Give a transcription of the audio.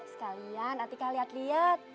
sekalian atika liat liat